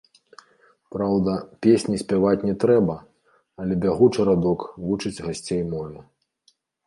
Праўда, песні спяваць не трэба, але бягучы радок вучыць гасцей мове.